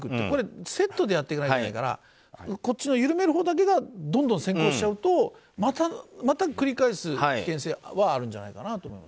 これ、セットでやっていかなきゃいけないからこっちの緩めるほうだけがどんどん先行しちゃうとまた繰り返す危険性はあるんじゃないかなと。